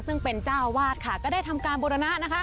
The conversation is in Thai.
ซึ่งเป็นเจ้าวาดค่ะก็ได้ทำการบรรณะนะคะ